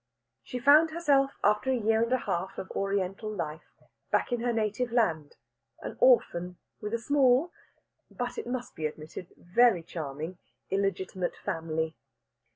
She found herself after a year and a half of Oriental life back in her native land, an orphan with a small but it must be admitted a very charming illegitimate family.